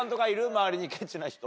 周りにケチな人。